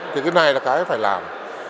thì cái này là cái phải làm